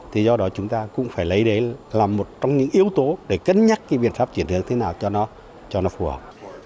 thì do đó chúng ta cũng phải lấy đấy làm một trong những yếu tố để cân nhắc cái biện pháp chuyển hướng thế nào cho nó cho nó phù hợp